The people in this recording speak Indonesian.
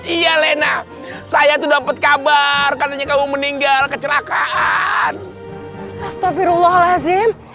iya lena saya tuh dapet kabar karena kamu meninggal kecelakaan astagfirullahaladzim